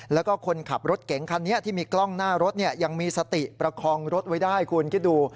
แล้วก็คนขับรถเก๋งคันนี้ที่มีกล้องหน้ารถยังมีสติประคองรถไว้ได้คุณคิดดู